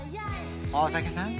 大竹さん